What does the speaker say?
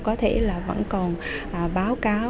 có thể vẫn còn báo cáo